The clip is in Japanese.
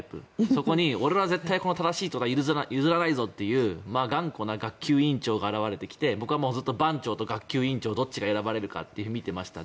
そこに俺は絶対正しいことを譲らないぞという頑固な学級委員長が現れてきて僕はずっと番長と学級委員長どっちが選ばれるか見ていました。